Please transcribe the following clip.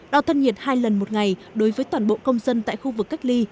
đo thân nhiệt hai lần một ngày đối với toàn bộ công dân tại khu vực cách ly